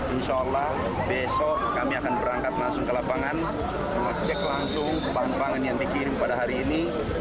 insya allah besok kami akan berangkat langsung ke lapangan mengecek langsung pangan pangan yang dikirim pada hari ini